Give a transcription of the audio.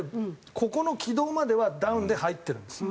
ここの軌道まではダウンで入ってるんですよ。